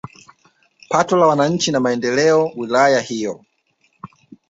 Pato la wananchi na maendeleo wilaya hiyo